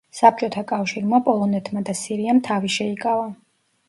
საბჭოთა კავშირმა, პოლონეთმა და სირიამ თავი შეიკავა.